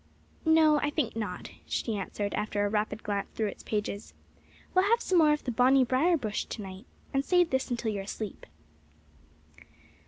"No, I think not," she answered, after a rapid glance through its pages. "We'll have some more of the 'Bonnie Brier Bush' to night, and save this until you are asleep."